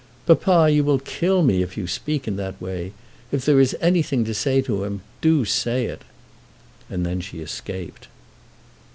"Papa, you will kill me if you speak in that way! If there is anything to say to him, do you say it." And then she escaped.